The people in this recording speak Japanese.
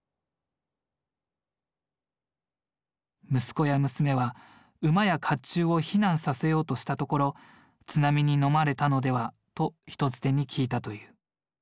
息子や娘は馬や甲冑を避難させようとしたところ津波にのまれたのではと人づてに聞いたという。